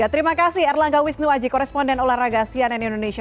terima kasih erlangga wisnuwaji koresponden olahraga sianen indonesia